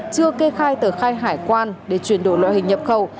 chưa kê khai tờ khai hải quan để chuyển đổi loại hình nhập khẩu